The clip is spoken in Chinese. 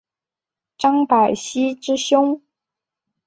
张百熙之兄。